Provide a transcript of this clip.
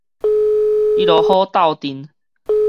你都好鬥陣